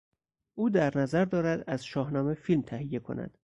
او در نظر دارد از شاهنامه فیلم تهیه کند.